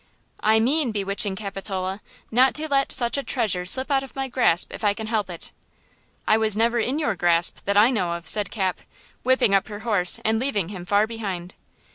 "I mean, bewitching Capitola, not to let such a treasure slip out of my grasp if I can help it." "I was never in your grasp, that I know of," said Cap, whipping up her horse and leaving him far behind.